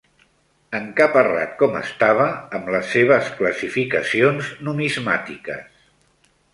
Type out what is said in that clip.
Encaparrat com estava amb les seves classificacions numismàtiques